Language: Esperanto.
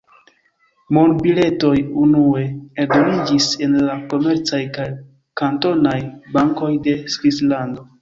Monbiletoj unue eldoniĝis en la komercaj kaj kantonaj bankoj de Svislando.